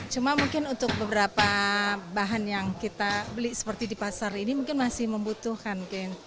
cuma mungkin untuk beberapa bahan yang kita beli seperti di pasar ini mungkin masih membutuhkan